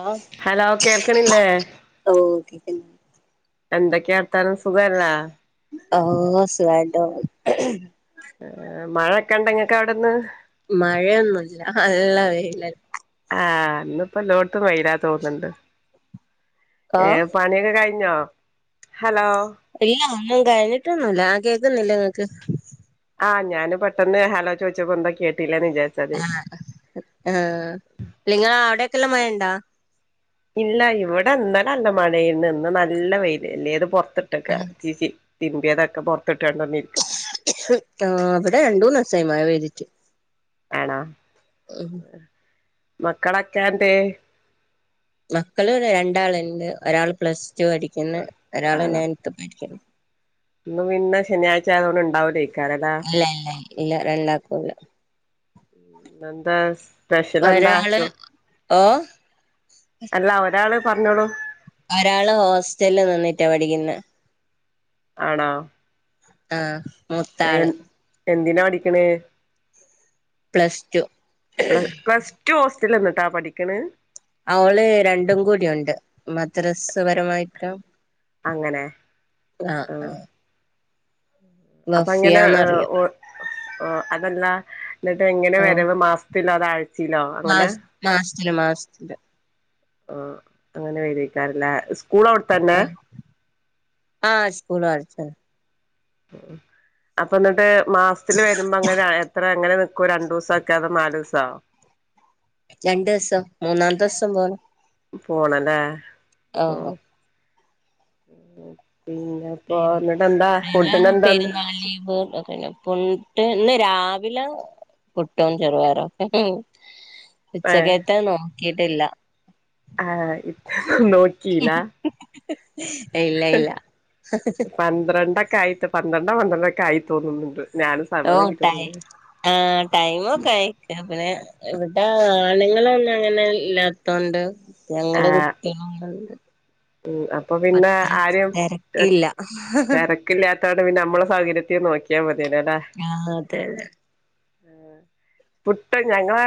ആ ഹലോ കേൾക്കണില്ലേ എന്തൊക്കെയാ വർത്താനം സുഖല്ലേ ഓ സുഖായിട്ട്പോന്നു മഴക്കെ ഇണ്ട ഇങ്ങക്ക അവിടന്ന് മഴയൊന്നുല്ല നല്ല വെയില ആ ഇന്നിപ്പെല്ലോട്ത്തും വെയില തോന്ണ്ട് ആ ഏ പണിയൊക്കെ കഴ ഞ്ഞോ ഹലോ ഇല്ല ഒന്നും കഴിഞ്ഞിട്ടൊന്നുല്ല. ആ കേക്കുനില്ലേ ഇങ്ങ [unintelligible] ആ ഞാന് പെട്ടെന്ന് ഹലോ ചോദിച്ചപ്പോ എന്തോ കേട്ടി ആ ആ നിങ്ങള ഇല്ല ഇവിടെ ഇന്നല നല്ല മഴയിരുന്ന് ഇടക [unintelligible] തിരിമ്പിതൊക്കെ പൊ [unintelligible] യി മഴ പെയ്തിട്ട് ആണാ ഉമ് മക്കളൊക്കെ എന്തെ മക്കള് രണ്ടാൾ ഉണ്ട്. ഒരാൾ പ്ലസ് റ്റു പഠിക്കുന്ന് ഒരാള് ആണോ ഇന്ന് പിന്നെ ശനിയാഴ്ച ആയതോണ്ട് ഇണ്ടാവുല്ലേ ഇല്ല ഇല്ല ഇല്ല രണ്ടാകുല്ല ഇന്നന്താ സ്പെഷ്യൽ എന്താ ഒരാള് ച്ചോ ഓ അല്ല ഒരാള് പറഞ്ഞോളൂ ഒരാള് ഹോസ്റ്റലില് നിന്നിട്ടാ പഠിക്കുന്നെ ആണാ ആ മൂത്താള് എന്തിനാ പഠിക്കണേ പ്ലസ് ടു പ്ലസ് ടു ന്നിട്ടാ പഠിക്കണേ അവള് രണ്ടും കൂടിണ്ട് മദ്രസ്പരമായിട്ടും അങ്ങനെ ആഹ് ആ ആഹ് അപ്പൊ അങ്ങനെ വഫിയാന്നറിയും ഒ ഒ അതല്ല ന്നിട്ട് എങ്ങനെ ഓ വരുന്നത് മാസ് ത്തിലോ [unintelligible] ചിലോ അങ്ങനെ ത്തില് മാസത്തില് ആഹ് അങ്ങനെ വരേക്കാരല്ലേ ആഹ് ആഹ് സ്കൂള ആട് ച്ചൻ അപ്പ ന്നിട്ട് മാസത്തില് വരുമ്പോ ഏങ്ങനെ എത്ര എങ്ങനെ വ രണ്ടുസക്കെ അത് നാല്സാവും രണ്ട് ദിവസം മൂന്നാമത്തെ ദിവസം പോണം പോണല്ലേ ആഹ് ഓഹ് ഉം അയ്ന് അയ്ന് എന്താന്ന് പെരുന്നാൾ ലീവ് [unintelligible] ഇന്ന് രാവിലെ പുട്ടും ചെറുപയറും ഉച്ചക്കത്തെ നോക്കി ട്ടില്ല ആഹ് ഇ ഇല്ല ഇല്ല ക്കായിട്ട് പന്ത്രണ്ടോ പന്ത്രണ്ടൊക്കെ ആയി തോന്നുന്നുണ്ട് ഞാനും ഓഹ സമ്മതം ആഹ് ടൈം കിട്ടുന്നില്ല ആ ടൈമൊക്കെയി പിന്നെ ആഹ് അണുങ്ങളൊന്നും അങ്ങനെ ഇല്ലാത്തോണ്ട് ഞങ്ങള് ആഹ് കുട്ടികളോട് ഉം അപ്പൊ [unintelligible] പിന്നെ അത്ര ആരും തിരക്കില്ല ത്താണ് പിന്നെ മ്മള സൗകര്യത്തി നോക്കിയാമതി ആ അതെതെ ആ പുട്ട് ഞങ്ങളേ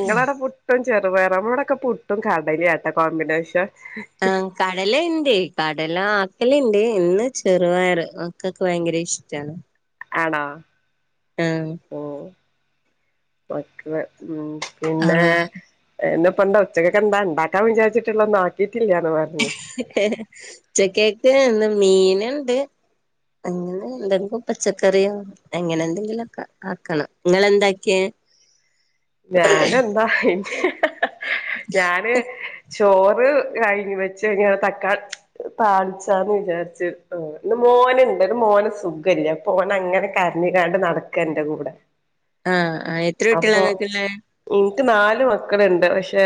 ഇങ്ങളടെ പുട്ടും ചെറുപയറും നമ്മളടൊക്കെ പുട്ടും കടലിം ആ നല്ല കോമ്പിനേഷൻ ആ കടലേണ്ട് ക എല്ലാ ആക്കലിണ്ട് ഇന്ന് ചെറുപയറ് മക്കൾക്ക് ഭയങ്കര ഇഷ്ടാണ് ആണോ ആ ഉം മക്കള് ഉം ആ പിന്നെ എന്ന ഇപ്പ എന്താ? ഉച്ചക്കൊക്കെന്ത ഇണ്ടാക്കാൻ വിചാരിച്ചിട്ട്ള്ള നോക്കി [unintelligible] ഉച്ചക്കേക്ക് ഇന്ന് മി മീന്ണ്ട് അങ്ങനെ എന്തെങ്കും പച്ചക്കറി യൊ അങ്ങനെ എന്തെങ്കിലു ഒക്ക ആക്കണം. ഇങ്ങളെന്താക്കിയെ? ഞാന് എന്താ ഹി ഞാന് ചോറ്കഴിഞ്ഞ് വെച്ചെങ്ങനെ തക്കാളി താളിച്ചാന്ന് വിചാരിച്ച്ട്ടേ ഇന്ന് മോന്ണ്ട്. ഇന്ന് മോന് സുഖല്ല അപ്പ ഓനങ്ങനെ കരഞ്ഞ്ക്കാണ്ട് നടക്ക് ഇന്റ കൂടെ. ആ എത്ര കുട്ടിളാ ഇങ്ങക്ക്ള്ളേ? ഇൻക്ക് നാല് മക്കള്ണ്ട്. പഷെ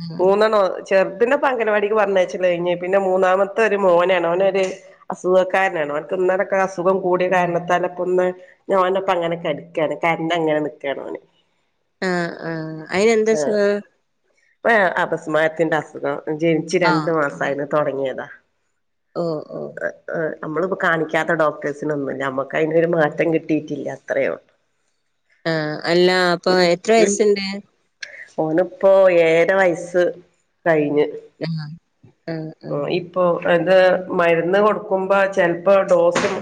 ആ മൂന്നണ്ണം ഒ ചെർതിനെ ഇപ്പ അങ്കൽ വാടിക്ക് പറഞ്ഞയച്ച്ണ്. ഇഞ്ഞ് പിന്നെ മൂന്നാമത്തെ ഒരു മോനാണ് ഓനൊരു അസുഖക്കാരനാണ് ഓൻക്ക് ഇന്നലെക്കെ അസു ഖം കൂടിയ ആ കാരണത്താല്പ്പം ഇന്ന് ഇന്ന് ഒന്റെപ്പംഅങ്ങനെ കെട ക്കാണ് കാരണങ്ങനെ നിക്കാണ് അവന് അ അ അയിന് എന്താസുഖ ന് അപസ്മാരത്തിന്റെ അസുഖ ജനിച്ചു രണ്ടു മാസയന്ന് തൊടങ്ങിയതാ ഓ ഓ നമ്മളി പ്പോ കാണിക്കാത്ത ഡോക്ടേഴ്സിനൊന്നുല്ല നമ്മുക്ക് അതിനൊരു മാറ്റം കിട്ടിയിട്ടില്ല അത്രേള്ളൂ അ അല്ല അപ്പൊ എത്ര വയ സ്ണ്ട് ഓന് ഇപ്പൊ ഏരാ വയസ്സ് കഴിഞ്ഞ് മ്മ് പോ ഇപ്പൊ അത് മരുന്ന് കൊടുക്കുമ്പോ ചെിലപ്പോ ഡോസും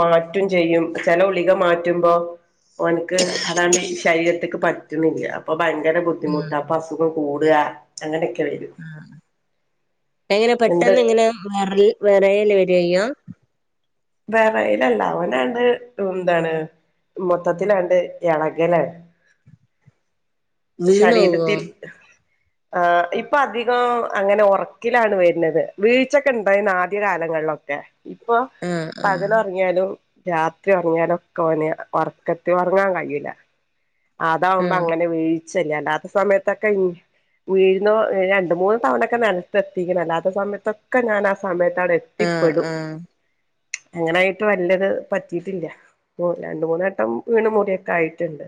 മാറ്റും ചെയ്യും ചെല ഗുളിക മാറ്റുമ്പോ ഓനക്ക് അതാണ്ട് ശരീരത്തേക്ക് പ റ്റണില്ല അപ്പൊ ഭയങ്കര ബുദ്ധിമുട്ട ആഹ് അപ്പൊ അസുഖം കൂടുക അങ്ങനെയ കെ വരും ആഹ് എങ്ങനെ എന്ത് പെട്ടെന്നെങ്ങനെ വെറൽ വെറയല് വ ചെയ്യ വറെയിലല്ല അവനാണ്ട് എന്താണ് മൊത്തത്തിലാണ്ട് ഇളകലാണ് വീണോവോ ശരീരത്തിൽ ആ ഇപ്പൊ അധികം അങ്ങനെ ഉറക്കിലാണ് വരുന്നത് വീഴ്ചൊക്കെ ഉണ്ടായിന്ന ആദ്യ കാലങ്ങളിലൊക്കെ ഇപ്പൊ ആഹ് പകല് ആഹ് ഉറങ്ങിയാലും രാത്രി ഉറങ്ങിയാലൊക്കെ ഓന് ഉറക്കത്തിൽ ഉറങ്ങാൻ കഴിയില അതാവകുമ്പോ ആഹ് അങ്ങനെ വേ അല്ലാത്ത സമയത്തൊക്കെ വീഴുന്ന രണ്ടു, മൂന്ന് തവണൊക്കെ നിലത്തെ എത്തിക്കണം അല്ലാത്ത സമയത്തൊക്കെ ഞാൻ ആ സമയത്ത് തട ആഹ് എത്തിപ്പെടും ആഹ് അങ്ങനൊയിട്ട് വലത് പറ്റിട്ടില്ല രണ്ടു, മൂന്നുവട്ടം വീണ മുറിയൊക്കെ ആയിട്ടുണ്ട്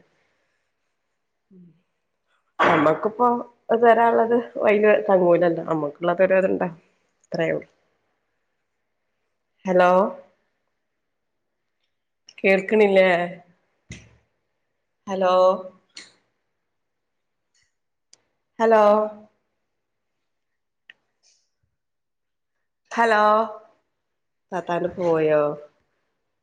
നമ്മക്കിപ്പോ ഇത് വരാനുള്ളത് വഴിയിൽ തങ്ങൂലല്ല നമ്മുക്കുള്ളത് ഒരു അതുണ്ടാ അത്രയേ ഉള്ളു ഹലോ കേൾക്കണില്ലേ ഹലോ ഹലോ ഹലോ തത്താന പോയോ